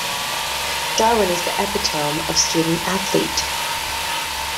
Darwin is the epitome of Student-Athlete.